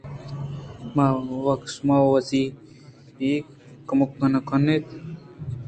شما وَ کَسی کُمک نہ کن اِت